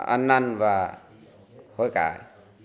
ăn ăn và hối cãi